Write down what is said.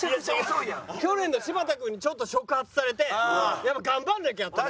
去年の柴田君にちょっと触発されてやっぱ頑張んなきゃと。